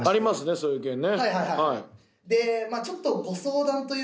そういう系ね。